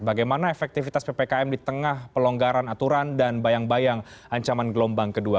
bagaimana efektivitas ppkm di tengah pelonggaran aturan dan bayang bayang ancaman gelombang kedua